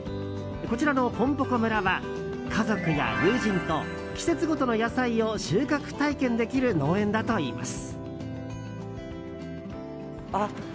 こちらの、ぽんぽこ村は家族や友人と季節ごとの野菜を収穫体験できる農園だといいます。